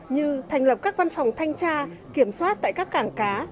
như thành lập các văn phòng thanh tra kiểm soát tại các cảng cá